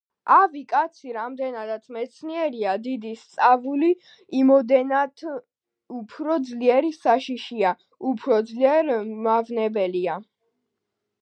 „ავი კაცი რამდენადაც მეცნიერია, დიდი სწავული, იმოდენად უფრო ძლიერ საშიშია, უფრო ძლიერ მავნებელია.“